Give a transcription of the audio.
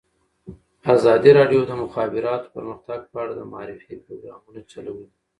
ازادي راډیو د د مخابراتو پرمختګ په اړه د معارفې پروګرامونه چلولي.